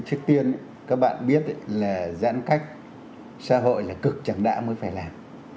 trước tiên các bạn biết là giãn cách xã hội là cực chẳng đã mới phải làm